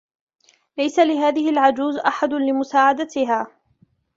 ليس لهذه العجوز أحد لمساعدتها.